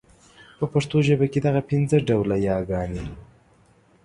په پښتو ژبه کي دغه پنځه ډوله يې ګاني